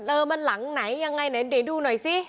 เออมันหลังไหนยังไงเดี๋ยวดูหน่อยซิ